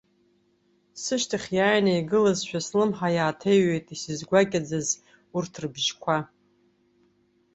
Сышьҭахь иааины игылазшәа слымҳа иааҭаҩит исызгәакьаӡаз урҭ рыбжьқәа.